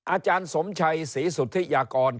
อาจารย์สมชัยศรีสุธิยากร